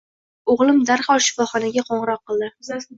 O`g`lim darhol shifoxonaga qo`ng`iroq qildi